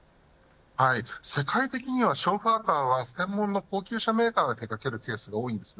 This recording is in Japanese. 世界的にはショーファーカーは専門の高級車メーカーが手掛けるケースが多いです。